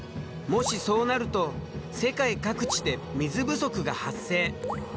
もしそうなると世界各地で水不足が発生！